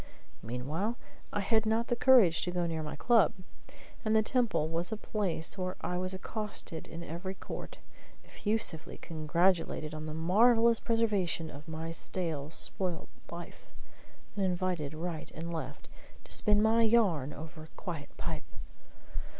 Meanwhile, I had not the courage to go near my club, and the Temple was a place where I was accosted in every court, effusively congratulated on the marvellous preservation of my stale spoilt life, and invited right and left to spin my yarn over a quiet pipe!